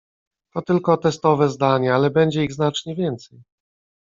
to tylko testowe zdanie ale będzie ich znacznie więcej